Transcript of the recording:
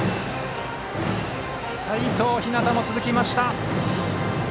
齋藤陽も、続きました。